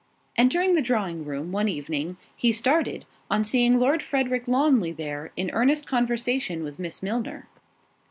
Entering the drawing room, one evening, he started, on seeing Lord Frederick Lawnly there, in earnest conversation with Miss Milner.